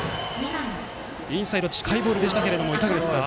インサイド近いボールでしたがいかがでしたか？